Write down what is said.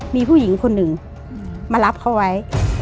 มีผู้หญิงคนหนึ่งมารับเขาไว้